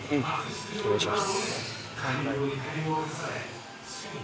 よろしくお願いします。